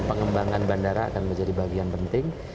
pengembangan bandara akan menjadi bagian penting